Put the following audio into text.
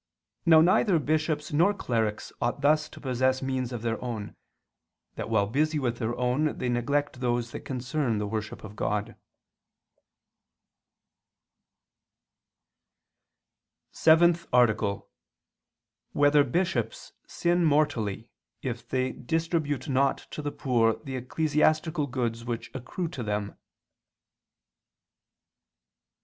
Now neither bishops nor clerics ought thus to possess means of their own, that while busy with their own they neglect those that concern the worship of God. _______________________ SEVENTH ARTICLE [II II, Q. 185, Art. 7] Whether Bishops Sin Mortally If They Distribute Not to the Poor the Ecclesiastical Goods Which Accrue to Them?